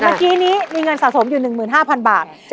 เมื่อกี้นี้มีเงินสะสมอยู่๑๕๐๐๐บาท